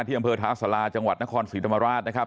อำเภอท้าสาราจังหวัดนครศรีธรรมราชนะครับ